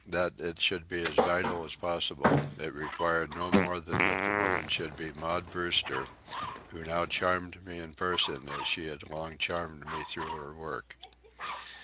That it should be as vital as possible, it required no more than that the woman should be Maud Brewster, who now charmed me in person as she had long charmed me through her work.